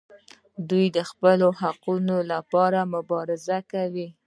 دوی د خپلو حقونو لپاره مبارزه کوي.